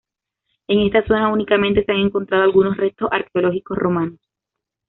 En esta zona únicamente se han encontrado algunos restos arqueológicos romanos.